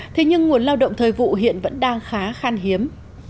thế nhưng nguồn lao động thời vụ hiện vẫn đang khá khan hiếm